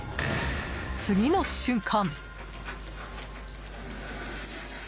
次の瞬間。